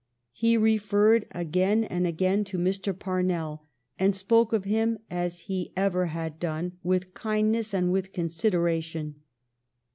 He referred again and again to Mr. Parncll, and s pokc of lilni, as he ever h:id done, with kindness and with consideration.